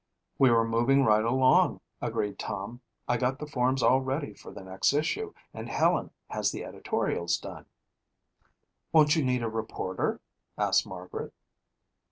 "We were moving right along," agreed Tom. "I got the forms all ready for the next issue and Helen has the editorials done." "Won't you need a reporter?" asked Margaret.